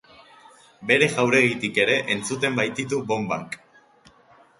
Bere jauregitik ere entzuten baititu bonbak.